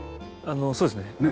あのそうですね。